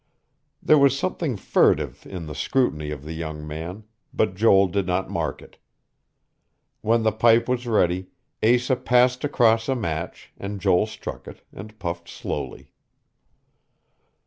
There was something furtive in the scrutiny of the young man, but Joel did not mark it. When the pipe was ready, Asa passed across a match, and Joel struck it, and puffed slowly....